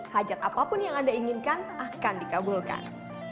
hajat apapun yang anda inginkan akan dikabulkan